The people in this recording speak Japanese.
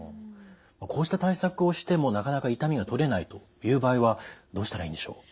こうした対策をしてもなかなか痛みがとれないという場合はどうしたらいいんでしょう？